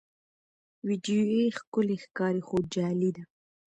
ویډیو ښکلي ښکاري خو جعلي ده.